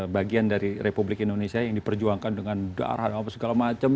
bagian dari republik indonesia yang diperjuangkan dengan darah segala macam